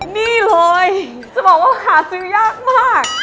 นี่เลยจะบอกว่าหาซื้อยากมาก